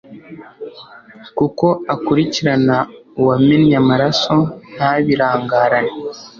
Kuko akurikirana uwamennye amaraso ntabirangarane